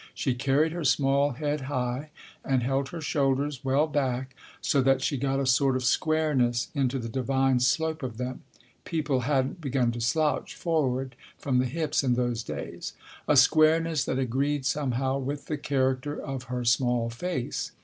She carried her small head high, and held her shoulders well back, so that she got a sort of squareness into the divine slope of them (people hadn't begun to slouch forward from the hips in those days), a squareness that agreed somehow with the character of her small face.